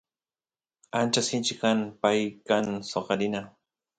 ancha sinchi kan pay kan soqarina